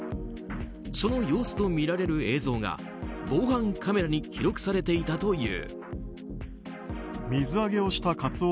その様子とみられる映像が防犯カメラに記録されていたという。